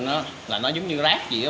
còn những vụ tương lai như vậy